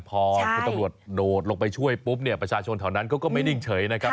พอคุณตำรวจโดดลงไปช่วยปุ๊บเนี่ยประชาชนแถวนั้นเขาก็ไม่นิ่งเฉยนะครับ